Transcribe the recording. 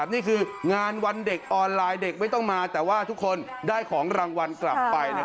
นี่คืองานวันเด็กออนไลน์เด็กไม่ต้องมาแต่ว่าทุกคนได้ของรางวัลกลับไป